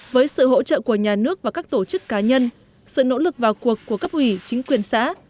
với sự hỗ trợ của nhà nước và các tổ chức cá nhân sự nỗ lực vào cuộc của cấp ủy chính quyền xã